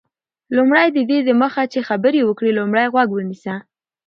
لومړی: ددې دمخه چي خبري وکړې، لومړی غوږ ونیسه.